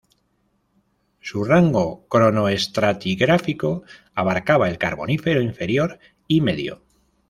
Su rango cronoestratigráfico abarcaba el Carbonífero inferior y medio.